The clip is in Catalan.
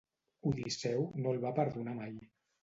Odisseu no el va perdonar mai.